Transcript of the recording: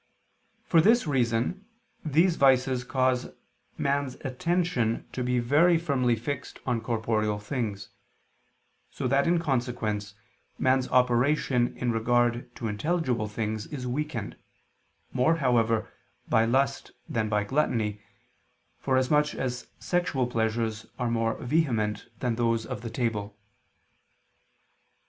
For this reason these vices cause man's attention to be very firmly fixed on corporeal things, so that in consequence man's operation in regard to intelligible things is weakened, more, however, by lust than by gluttony, forasmuch as sexual pleasures are more vehement than those of the table.